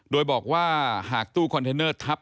โดยบอกว่าหากตู้คอนเทนเนอร์ทับ